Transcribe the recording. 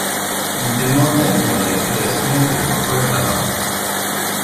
Il demande la mise en accusation de Jean-Paul Marat.